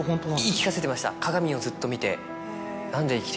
言い聞かせてました鏡をずっと見て。